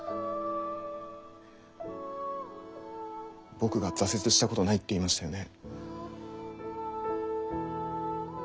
僕が挫折したことないって言いましたよね。